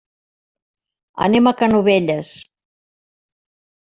Anem a Canovelles.